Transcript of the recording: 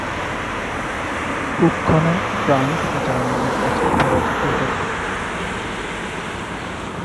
কুক্ষণে France জার্মানীর কাছে পরাজিত হল।